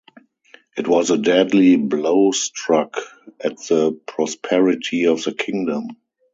It was a deadly blow struck at the prosperity of the kingdom.